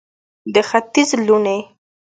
د ختیځ لوڼې